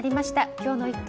今日の「イット！」